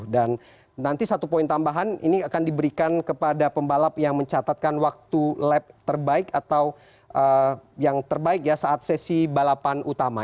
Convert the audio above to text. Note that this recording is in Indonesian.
dan nanti satu poin tambahan ini akan diberikan kepada pembalap yang mencatatkan waktu lap terbaik atau yang terbaik ya saat sesi balapan utama